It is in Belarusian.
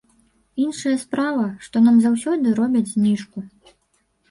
Іншая справа, што нам заўсёды робяць зніжку.